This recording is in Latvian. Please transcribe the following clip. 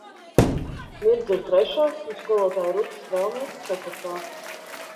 Mirdza ir trešā un skolotāja Ruta Strēlniece ceturtā.